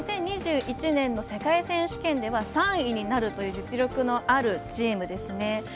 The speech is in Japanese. ２０２１年の世界選手権で３位になるという実力のあるチームですね。